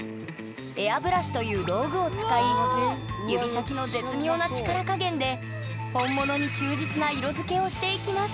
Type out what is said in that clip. エアブラシという道具を使い指先の絶妙な力加減で本物に忠実な色付けをしていきます